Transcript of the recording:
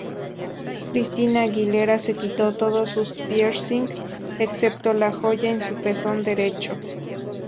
Christina Aguilera se quitó todos sus piercing, excepto la joya en su pezón derecho.